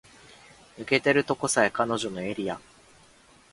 抜けてるとこさえ彼女のエリア